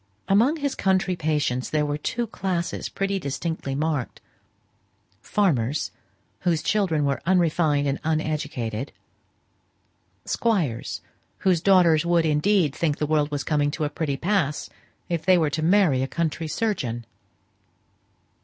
Among his country patients there were two classes pretty distinctly marked: farmers, whose children were unrefined and uneducated; squires, whose daughters would, indeed, think the world was coming to a pretty pass, if they were to marry a country surgeon.